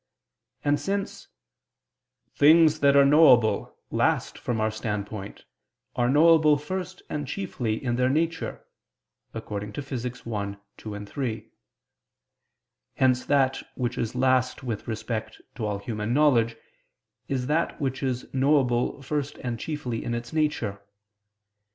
And, since "things that are knowable last from our standpoint, are knowable first and chiefly in their nature" (Phys. i, text. 2, 3); hence that which is last with respect to all human knowledge, is that which is knowable first and chiefly in its nature.